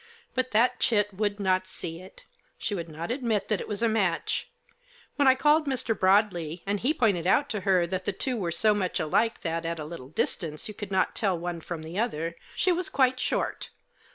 But that chit would not see it She would not admit that it was a match. When I called Mr. Broadley, and he pointed out to her that the two were so much alike that, at a little distance, you could not tell one from the other, she was quite short.